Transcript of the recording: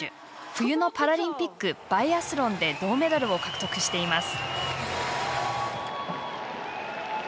冬のパラリンピックバイアスロンで銅メダルを獲得しています。